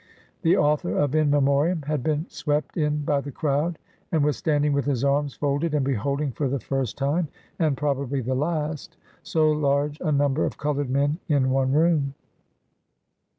The author of ■ In Memoriam J had been swept in by the crowd, and was standing with his arms folded, and beholding for the first time, and probably the last, so large a number of colored men in one room.